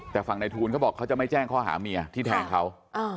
แต่ฝั่งในทูลเขาบอกเขาจะไม่แจ้งข้อหาเมียที่แทงเขา